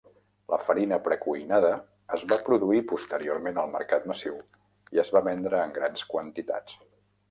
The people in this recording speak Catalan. La farina precuinada es va produir posteriorment al mercat massiu i es va vendre en grans quantitats.